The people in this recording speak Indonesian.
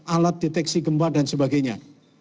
alat deteksi gempa dan sebagainya